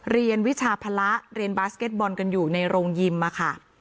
เรียนวิชาภาระเรียนบาสเก็ตบอลกันอยู่ในโรงยิมอะค่ะ